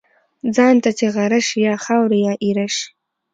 ځان ته چی غره شی ، یا خاوري یا ايره شی .